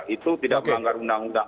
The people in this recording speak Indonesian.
itu tidak melanggar undang undang